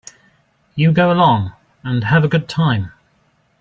You go along and have a good time.